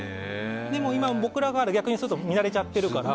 でも今、僕らからすると見慣れちゃってるから。